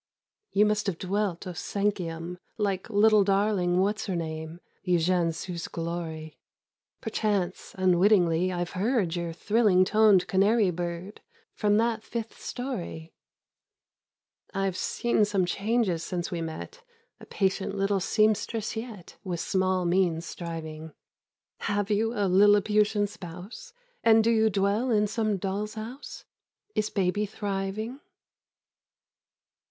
You must have dwelt au cinquième, Like little darling What's her name,— Eugène Sue's glory: Perchance, unwittingly, I've heard Your thrilling toned Canary bird From that fifth storey. I've seen some changes since we met; A patient little seamstress yet, With small means striving, Have you a Lilliputian spouse? And do you dwell in some doll's house? —Is baby thriving?